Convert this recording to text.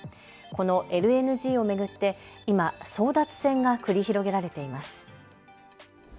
このＬＮＧを巡って今、争奪戦が繰り広げられています。